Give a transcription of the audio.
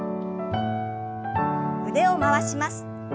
腕を回します。